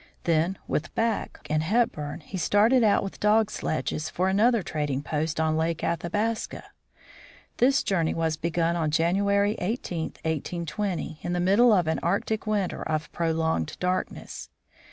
Then, with Back and Hep burn, he started out with dog sledges for another trading post on Lake Athabasca. This journey was begun on January 18, 1820, in the middle of an Arctic winter of prolonged darkness.